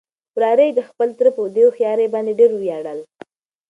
وراره يې د خپل تره په دې هوښيارۍ باندې ډېر ووياړل.